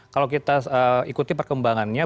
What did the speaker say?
kalau kita ikuti perkembangannya